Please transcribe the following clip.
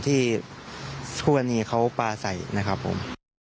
ที่คู่กรณีเขาปลาใส่นะครับผม